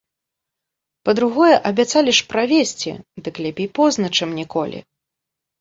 Па-другое, абяцалі ж правесці, дык лепей позна, чым ніколі.